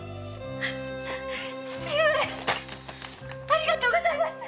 ありがとうございます。